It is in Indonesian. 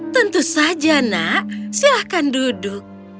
tentu saja nak silahkan duduk